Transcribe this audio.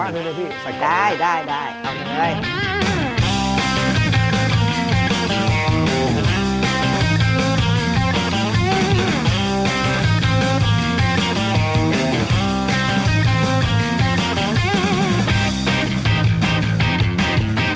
อร่อยมากนิดนึงเลยค่ะ